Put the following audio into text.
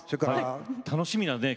楽しみなね